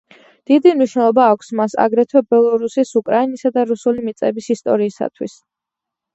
დიდი მნიშვნელობა აქვს მას აგრეთვე ბელორუსის, უკრაინისა და რუსული მიწების ისტორიისათვის.